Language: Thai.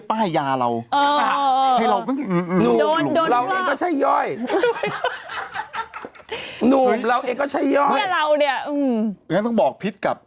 ไม่ดี